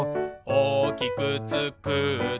「おおきくつくって」